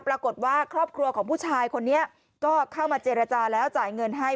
ปรากฏว่าครอบครัวของผู้ชายคนนี้ก็เข้ามาเจรจาแล้วจ่ายเงินให้